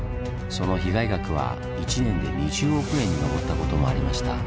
その被害額は１年で２０億円に上ったこともありました。